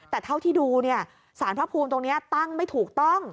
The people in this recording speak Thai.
แต่เท่าที่ดูเนี่ยสารพระภูมิตรงนี้ตั้งไม่ถูกต้อง